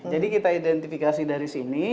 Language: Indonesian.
jadi kita identifikasi dari sini